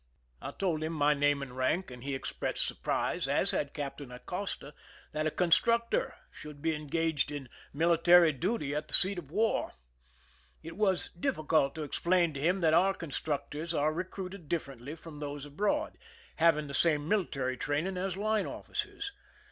I told him 132 IMPRISONMENT IN MORRO CASTLE my name and rank, and he expressed surprise, as had Captain Acosta, that a constructor should be engaged in military duty at the seat of war. It was difficult to explain to him that our constructors are recruited differently from those abroad, having the same military training as line officers.